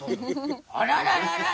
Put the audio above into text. あらららら！